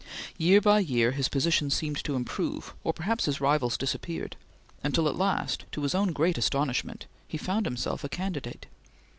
Year by year, his position seemed to improve, or perhaps his rivals disappeared, until at last, to his own great astonishment, he found himself a candidate.